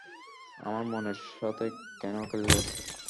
আমার মনের সাথে কেন খেললে?